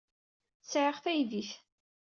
Sɛiɣ taydit.